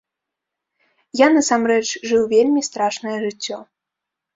Я, насамрэч, жыў вельмі страшнае жыццё.